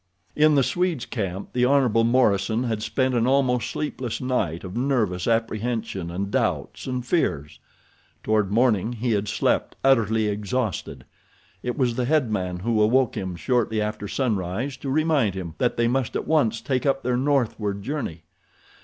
In the Swede's camp the Hon. Morison had spent an almost sleepless night of nervous apprehension and doubts and fears. Toward morning he had slept, utterly exhausted. It was the headman who awoke him shortly after sun rise to remind him that they must at once take up their northward journey.